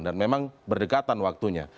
dan memang berdekatan waktunya